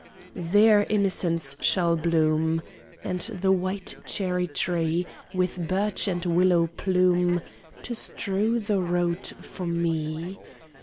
There innocents shall bloom And the white cherry tree, With birch and willow plume To strew the road for me.